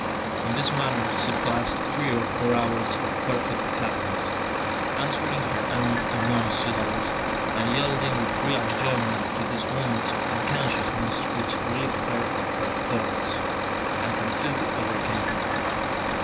In this manner she passed three or four hours of perfect happiness, answering her aunt in monosyllables, and yielding with real enjoyment to these moments of unconsciousness which relieved her of her thoughts, and completely overcame her.